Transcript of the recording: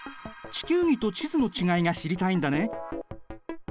地球儀と地図の違いが知りたいんだね。